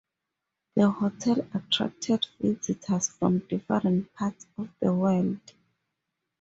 The hotel attracted visitors from different parts of the world.